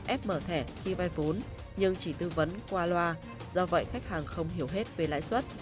ép mở thẻ khi vay vốn nhưng chỉ tư vấn qua loa do vậy khách hàng không hiểu hết về lãi suất